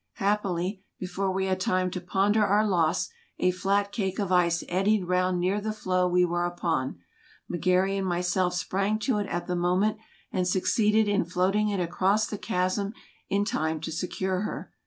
Happily, before we had time to ponder our loss a flat cake of ice eddied round near the floe we were upon ; McGary and myself sprang to it at the moment, and succeeded in floating it across the chasm in time to secure her.